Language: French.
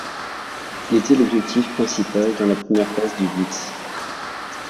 Il était l'objectif principal dans la première phase du Blitz.